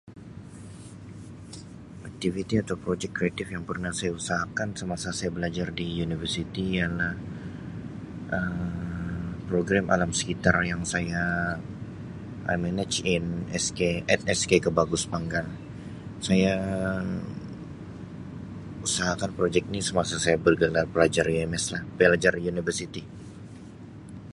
Aktiviti atau projek kreatif yang pernah saya usahakan semasa saya belajar di Universiti ialah Um program alam sekitar yang saya [unintelligible] sepanggar saya usahakan projek ni semasa saya bergelar pelajar UMS lah pelajar universiti.